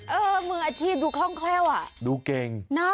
เออมืออาชีพดูคล่องแคล่วอ่ะดูเก่ง